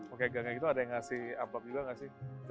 oke kayak gini gini ada yang ngasih amplop juga nggak sih